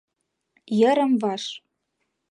Йырым-ваш